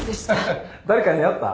ハハ誰かに会った？